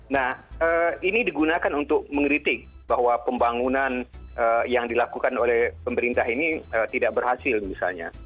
nah ini digunakan untuk mengeritik bahwa pembangunan yang dilakukan oleh pemerintah ini tidak berhasil misalnya